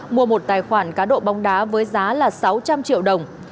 mua một tài khoản cá độ bóng đá với giá là sáu trăm linh triệu đồng